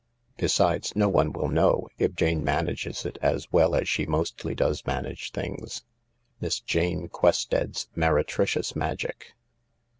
Besides, no one will know, if Jane manages it as well as she mostly does manage things." " Miss Jane Quested's Meretricious Magic.